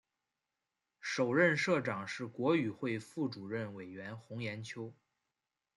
首任社长是国语会副主任委员洪炎秋。